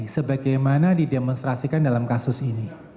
sebagaimana didemonstrasikan dalam kasus ini